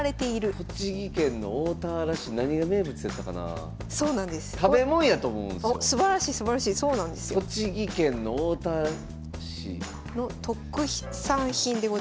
栃木県の大田原市。の特産品でございます。